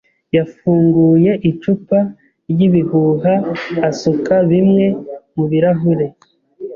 yafunguye icupa ryibihuha asuka bimwe mubirahure.